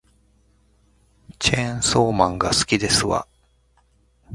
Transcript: チェーンソーマンが好きですわ